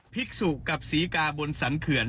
พริกศุกร์กับศรีกาบนสันเขื่อน